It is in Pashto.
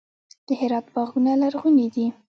د هرات باغونه لرغوني دي.